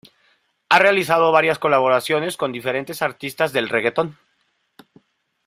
Ha realizado varias colaboraciones con diferentes artistas del reggaeton.